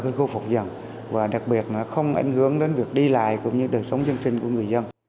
thậm chí còn nhiều ao tù nhét nhét nhát hố sâu lớn gây nguy hiểm cho người và gia súc qua lại